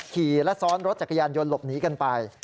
ขี่และซ้อนรถจักรยานยนต์หลบหนีกันไป